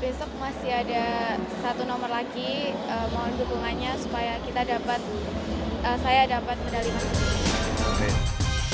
besok masih ada satu nomor lagi mohon dukungannya supaya kita dapat saya dapat medali emas